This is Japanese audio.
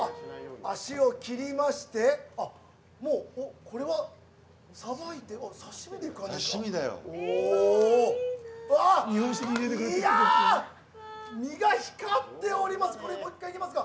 足を切りまして、これはさばいて刺身でいく感じですか。